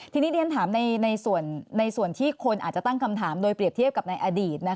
ทีนี้เรียนถามในส่วนที่คนอาจจะตั้งคำถามโดยเปรียบเทียบกับในอดีต